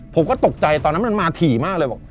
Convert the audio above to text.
ผมก็ตกใจตอนนั้นมันมาถี่มากเลยบอก